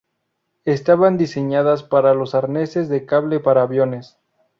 Estaban diseñadas para los arneses de cable para aviones.